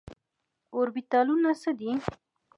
اوربيتالونه څه دي ؟